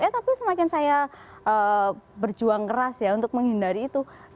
tapi semakin saya berjuang keras ya untuk menghindari itu